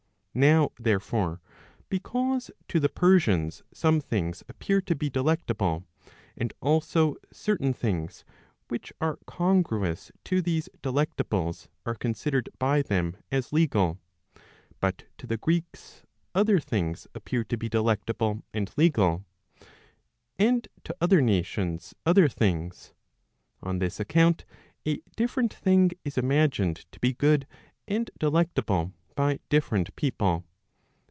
Now therefore, because to the Persians, some things appear to be delectable, and also certain things which are congruous to these delectables are considered by them as legal; but to the Greeks other things appear to be delectable and legal; and to other nations other things; on this account a different thing is imagined to be good and delectable by different people.